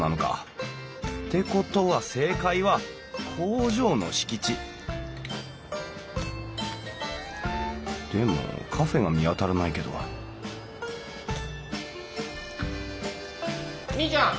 て事は正解は「工場の敷地」でもカフェが見当たらないけどにいちゃん！